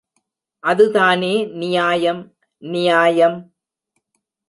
அதுதானே நியாயம், நியாயம்.